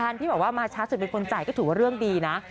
ที่บอกว่ามาช้าสุดเป็นคนจ่ายก็ถือว่าเรื่องดีนะ